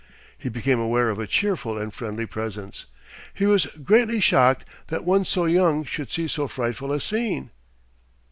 He became aware of a cheerful and friendly presence. He was greatly shocked that one so young should see so frightful a scene.